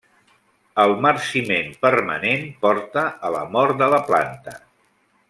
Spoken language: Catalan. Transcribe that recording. El marciment permanent porta a la mort de la planta.